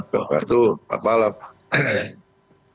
pak fathul pak fathul